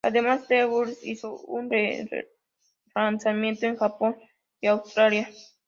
Además, The Dutchess hizo un re-lanzamiento en Japón y Australia.